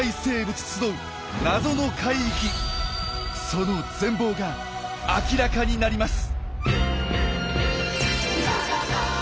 その全貌が明らかになります！